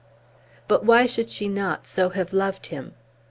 But why should she not so have loved him?